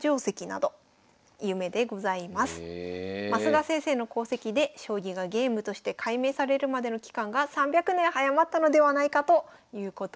升田先生の功績で将棋がゲームとして解明されるまでの期間が３００年早まったのではないかということです。